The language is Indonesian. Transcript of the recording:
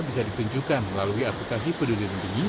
bisa dikunjungkan melalui aplikasi penduduk tinggi